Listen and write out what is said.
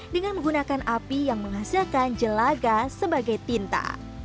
dengan menggunakan api yang menghasilkan jelaga sebagai tinta